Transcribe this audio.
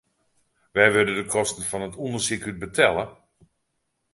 Wêr wurde de kosten fan it ûndersyk út betelle?